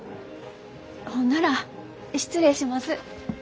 ほんなら失礼します。